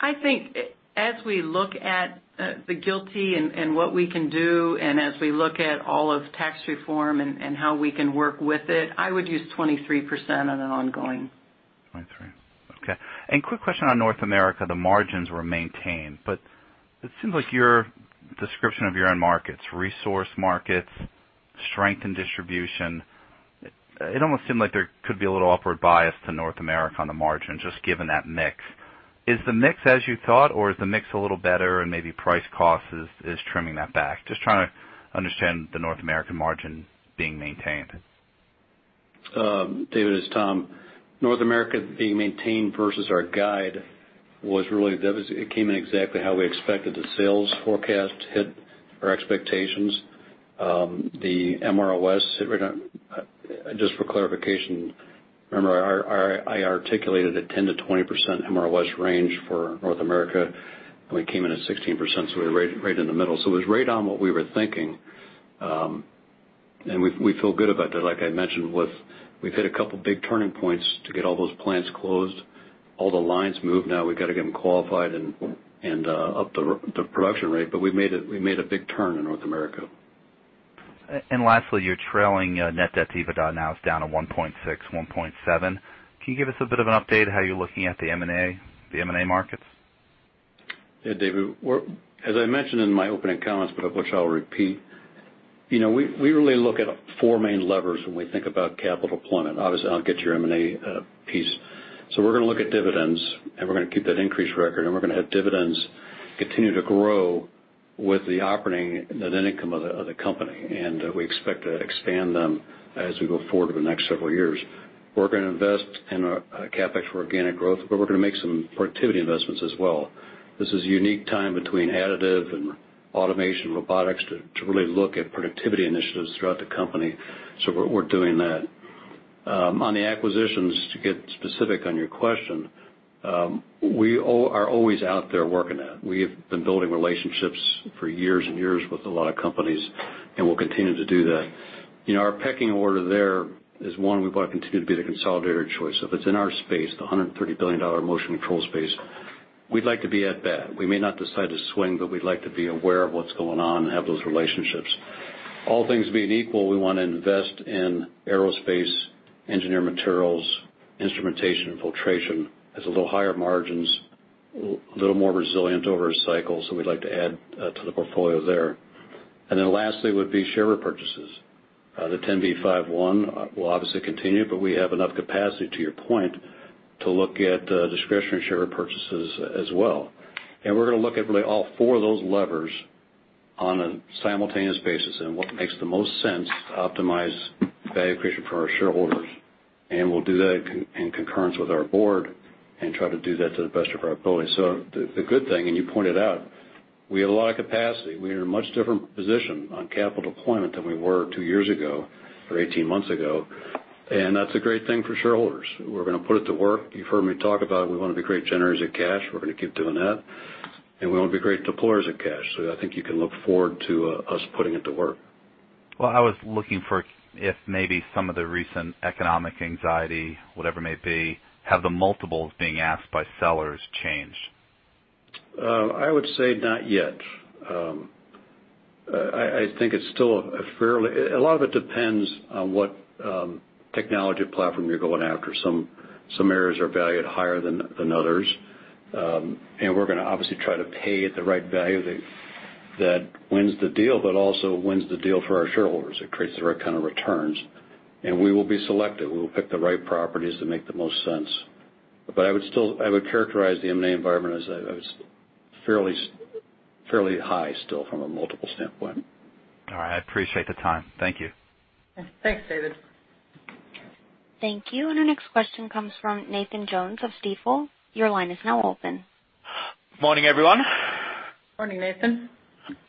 I think as we look at the GILTI and what we can do and as we look at all of U.S. tax reform and how we can work with it, I would use 23% on an ongoing. 23%. Okay. Quick question on North America. The margins were maintained, but it seems like your description of your own markets, resource markets, strength in distribution, it almost seemed like there could be a little upward bias to North America on the margin, just given that mix. Is the mix as you thought, or is the mix a little better and maybe price cost is trimming that back? Just trying to understand the North American margin being maintained. David, it's Tom. North America being maintained versus our guide was really, it came in exactly how we expected. The sales forecast hit our expectations. The MROS, just for clarification, remember I articulated a 10%-20% MROS range for North America, and we came in at 16%, so we were right in the middle. It was right on what we were thinking. We feel good about that. Like I mentioned, we've hit a couple of big turning points to get all those plants closed, all the lines moved. Now we've got to get them qualified and up the production rate. We made a big turn in North America. Lastly, your trailing net debt to EBITDA now is down to 1.6, 1.7. Can you give us a bit of an update how you're looking at the M&A markets? Yeah, David. As I mentioned in my opening comments, of which I'll repeat, we really look at four main levers when we think about capital deployment. Obviously, I'll get to your M&A piece. We're going to look at dividends, and we're going to keep that increased record, and we're going to have dividends continue to grow with the operating net income of the company, and we expect to expand them as we go forward over the next several years. We're going to invest in our CapEx for organic growth, but we're going to make some productivity investments as well. This is a unique time between additive and automation robotics to really look at productivity initiatives throughout the company. We're doing that. On the acquisitions, to get specific on your question, we are always out there working at it. We have been building relationships for years and years with a lot of companies, and we'll continue to do that. Our pecking order there is one, we want to continue to be the consolidator of choice. If it's in our space, the $130 billion motion control space, we'd like to be at bat. We may not decide to swing, but we'd like to be aware of what's going on and have those relationships. All things being equal, we want to invest in aerospace, engineered materials, instrumentation, filtration. Has a little higher margins, a little more resilient over a cycle, so we'd like to add to the portfolio there. Then lastly, would be share purchases. The 10B5-1 will obviously continue, but we have enough capacity, to your point, to look at discretionary share purchases as well. We're going to look at really all four of those levers on a simultaneous basis and what makes the most sense to optimize value creation for our shareholders. We'll do that in concurrence with our board and try to do that to the best of our ability. The good thing, and you pointed out, we have a lot of capacity. We are in a much different position on capital deployment than we were two years ago or 18 months ago, and that's a great thing for shareholders. We're going to put it to work. You've heard me talk about we want to be great generators of cash. We're going to keep doing that. And we want to be great deployers of cash. So I think you can look forward to us putting it to work. I was looking for if maybe some of the recent economic anxiety, whatever it may be, have the multiples being asked by sellers changed? I would say not yet. I think it's still a fairly. A lot of it depends on what technology platform you're going after. Some areas are valued higher than others. And we're going to obviously try to pay at the right value that wins the deal, but also wins the deal for our shareholders. It creates the right kind of returns. And we will be selective. We will pick the right properties that make the most sense. But I would characterize the M&A environment as fairly high still from a multiple standpoint. All right. I appreciate the time. Thank you. Thanks, David. Thank you. Our next question comes from Nathan Jones of Stifel. Your line is now open. Morning, everyone. Morning, Nathan.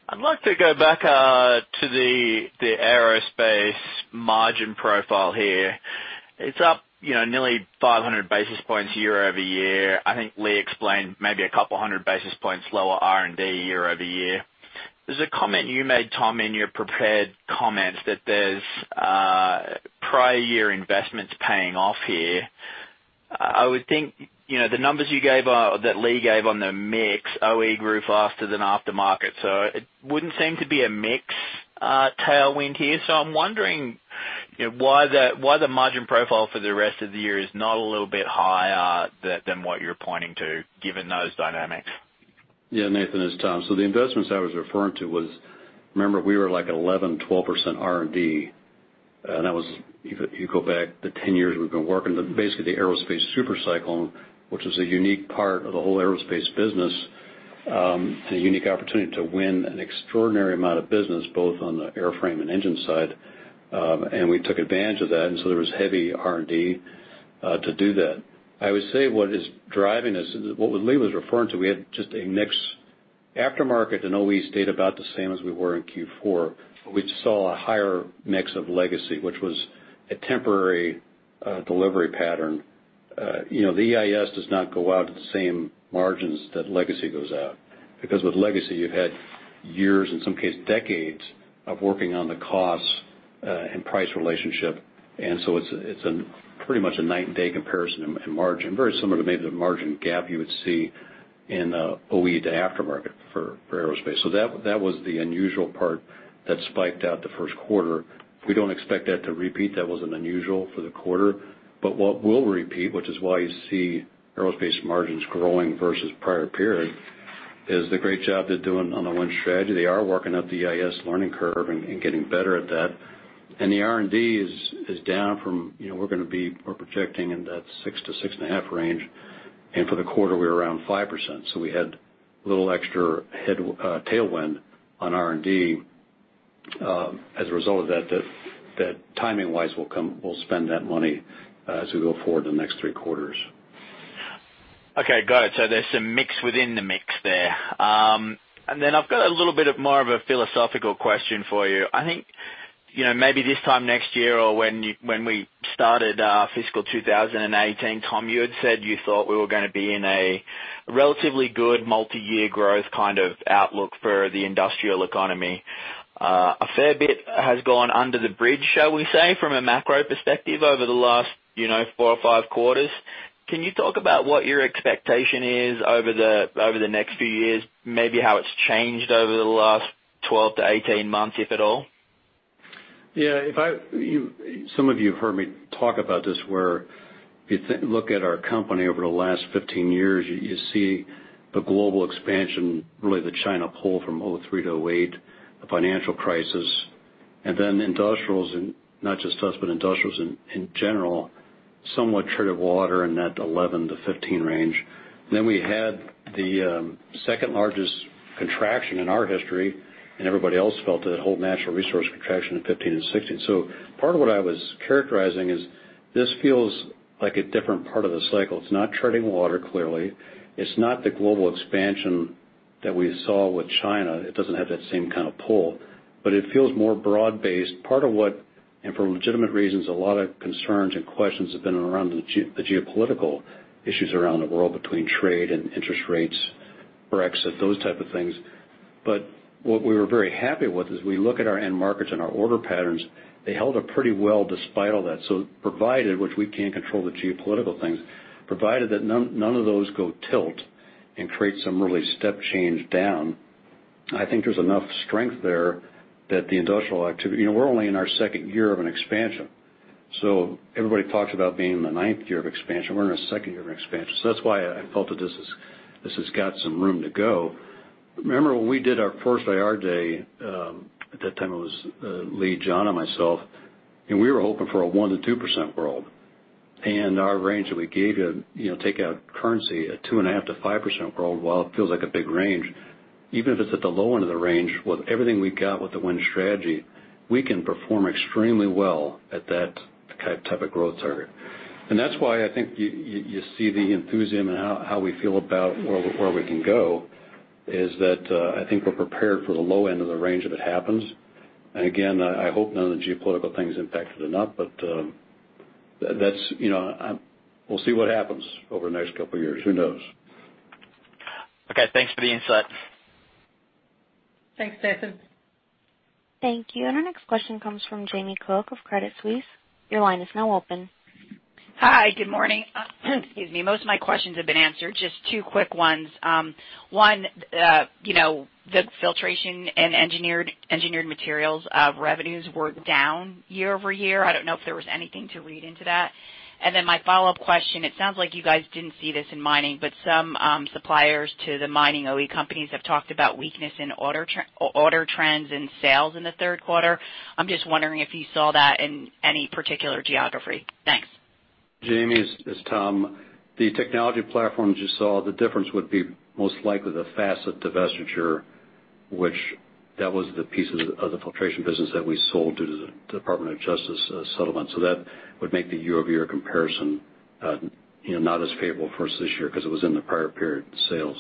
I'd like to go back to the aerospace margin profile here. It's up nearly 500 basis points year-over-year. I think Lee explained maybe a couple of hundred basis points lower R&D year-over-year. There's a comment you made, Tom, in your prepared comments that there's prior year investments paying off here. I would think the numbers that Lee gave on the mix, OE grew faster than aftermarket, so it wouldn't seem to be a mix tailwind here. I'm wondering why the margin profile for the rest of the year is not a little bit higher than what you're pointing to, given those dynamics. Yeah, Nathan, it's Tom. The investments I was referring to was, remember, we were like 11%, 12% R&D. You go back the 10 years we've been working, basically the aerospace super cycle, which is a unique part of the whole aerospace business, it's a unique opportunity to win an extraordinary amount of business, both on the airframe and engine side, and we took advantage of that, there was heavy R&D to do that. I would say what is driving us, what Lee was referring to, we had just a mix aftermarket and OE stayed about the same as we were in Q4, but we just saw a higher mix of Legacy, which was a temporary delivery pattern. The EIS does not go out at the same margins that Legacy goes out. With Legacy, you've had years, in some case, decades, of working on the cost and price relationship, it's pretty much a night and day comparison in margin. Very similar to maybe the margin gap you would see in OE to aftermarket for aerospace. That was the unusual part that spiked out the first quarter. We don't expect that to repeat. That was an unusual for the quarter. What we'll repeat, which is why you see aerospace margins growing versus prior period, is the great job they're doing on the Win Strategy. They are working up the EIS learning curve and getting better at that. The R&D is down from, we're projecting in that 6%-6.5% range. For the quarter, we were around 5%, so we had a little extra tailwind on R&D. As a result of that, timing-wise, we'll spend that money as we go forward in the next three quarters. Okay, got it. There's some mix within the mix there. I've got a little bit of more of a philosophical question for you. I think, maybe this time next year or when we started fiscal 2018, Tom, you had said you thought we were going to be in a relatively good multi-year growth kind of outlook for the industrial economy. A fair bit has gone under the bridge, shall we say, from a macro perspective over the last four or five quarters. Can you talk about what your expectation is over the next few years? Maybe how it's changed over the last 12 to 18 months, if at all? Yeah. Some of you have heard me talk about this, where if you look at our company over the last 15 years, you see the global expansion, really the China pull from 2003 to 2008, the financial crisis. Industrials, not just us, but industrials in general, somewhat treading water in that 11 to 15 range. Then we had the second largest contraction in our history, and everybody else felt it, whole natural resource contraction in 2015 and 2016. Part of what I was characterizing is this feels like a different part of the cycle. It's not treading water, clearly. It's not the global expansion that we saw with China. It doesn't have that same kind of pull, but it feels more broad-based. Part of what, for legitimate reasons, a lot of concerns and questions have been around the geopolitical issues around the world, between trade and interest rates, Brexit, those type of things. What we were very happy with is we look at our end markets and our order patterns, they held up pretty well despite all that. Provided, which we can't control the geopolitical things, provided that none of those go tilt and create some really step change down, I think there's enough strength there that the industrial activity. We're only in our second year of an expansion. Everybody talks about being in the ninth year of expansion. We're in our second year of expansion. That's why I felt that this has got some room to go. Remember when we did our first IR day, at that time it was Lee, John, and myself, we were hoping for a 1%-2% world. Our range that we gave you, take out currency, a 2.5%-5% world, while it feels like a big range, even if it's at the low end of the range, with everything we've got with the Win Strategy, we can perform extremely well at that type of growth target. That's why I think you see the enthusiasm in how we feel about where we can go, is that I think we're prepared for the low end of the range if it happens. Again, I hope none of the geopolitical things impact it or not, but we'll see what happens over the next couple of years. Who knows? Okay, thanks for the insight. Thanks, Jason. Thank you. Our next question comes from Jamie Cook of Credit Suisse. Your line is now open. Hi, good morning. Excuse me. Most of my questions have been answered. Just two quick ones. One, the Filtration and Engineered Materials revenues were down year-over-year. I don't know if there was anything to read into that. My follow-up question, it sounds like you guys didn't see this in mining, but some suppliers to the mining OE companies have talked about weakness in order trends and sales in the third quarter. I'm just wondering if you saw that in any particular geography. Thanks. Jamie, it's Tom. The technology platforms you saw, the difference would be most likely the Facet divestiture, which that was the piece of the Filtration business that we sold due to the Department of Justice settlement. That would make the year-over-year comparison not as favorable for us this year because it was in the prior period sales.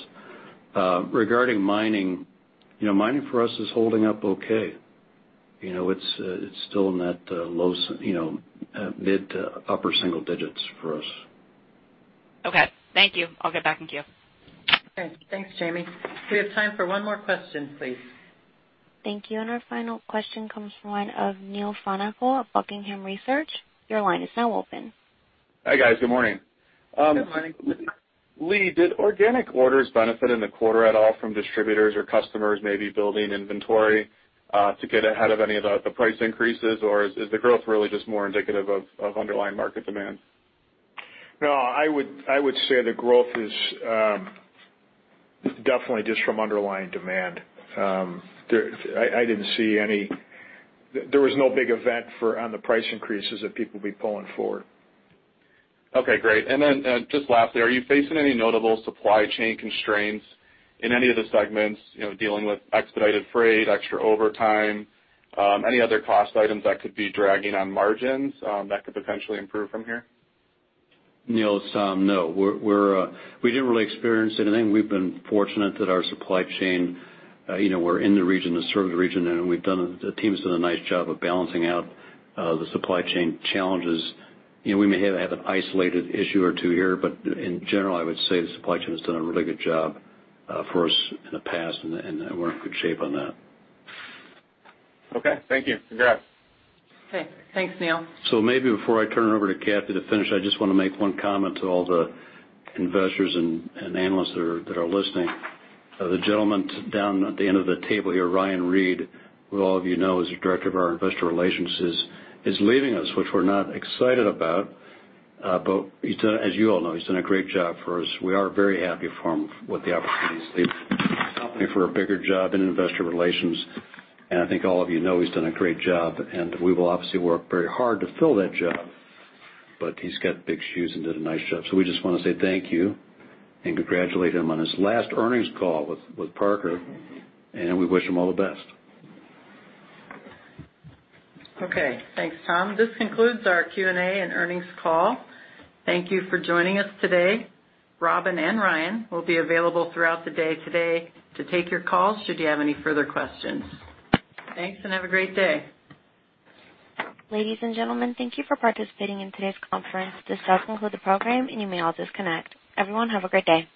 Regarding mining for us is holding up okay. It's still in that low, mid to upper single digits for us. Okay. Thank you. I'll get back in queue. Okay. Thanks, Jamie. We have time for one more question, please. Thank you. Our final question comes from one of Neil Frohnapple of Buckingham Research. Your line is now open. Hi, guys. Good morning. Good morning. Lee, did organic orders benefit in the quarter at all from distributors or customers maybe building inventory to get ahead of any of the price increases? Is the growth really just more indicative of underlying market demand? No, I would say the growth is definitely just from underlying demand. There was no big event on the price increases that people would be pulling forward. Okay, great. Just lastly, are you facing any notable supply chain constraints in any of the segments, dealing with expedited freight, extra overtime, any other cost items that could be dragging on margins that could potentially improve from here? Neil, it's Tom. No. We didn't really experience anything. We've been fortunate that our supply chain, we're in the region to serve the region. The team's done a nice job of balancing out the supply chain challenges. We may have an isolated issue or two here, in general, I would say the supply chain has done a really good job for us in the past, and we're in good shape on that. Okay. Thank you. Congrats. Okay. Thanks, Neil. Maybe before I turn it over to Kathy to finish, I just want to make one comment to all the investors and analysts that are listening. The gentleman down at the end of the table here, Ryan Reed, who all of you know is the Director of Investor Relations, is leaving us, which we're not excited about. As you all know, he's done a great job for us. We are very happy for him with the opportunities, leaving this company for a bigger job in investor relations. I think all of you know he's done a great job, and we will obviously work very hard to fill that job. He's got big shoes and did a nice job. We just want to say thank you and congratulate him on his last earnings call with Parker, and we wish him all the best. Okay. Thanks, Tom. This concludes our Q&A and earnings call. Thank you for joining us today. Robin and Ryan will be available throughout the day today to take your calls should you have any further questions. Thanks, have a great day. Ladies and gentlemen, thank you for participating in today's conference. This does conclude the program, you may all disconnect. Everyone, have a great day.